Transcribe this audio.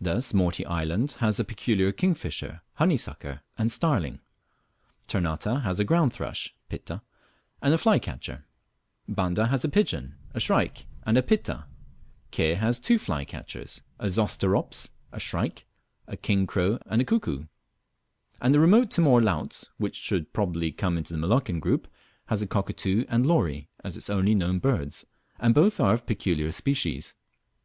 Thus Morty island has a peculiar kingfisher, honeysucker, and starling; Ternate has a ground thrush (Pitta) and a flycatcher; Banda has a pigeon, a shrike, and a Pitta; Ke has two flycatchers, a Zosterops, a shrike, a king crow and a cuckoo; and the remote Timor Laut, which should probably come into the Moluccan group, has a cockatoo and lory as its only known birds, and both are of peculiar species.